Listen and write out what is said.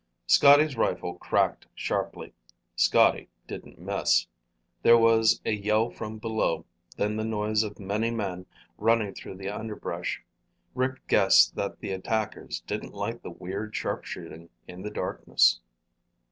Scotty's rifle cracked sharply. Scotty didn't miss. There was a yell from below, then the noise of many men running through the underbrush. Rick guessed that the attackers didn't like the weird sharpshooting in the darkness.